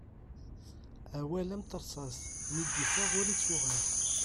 Awal am terṣast mi d-iffeɣ ur ittuɣal.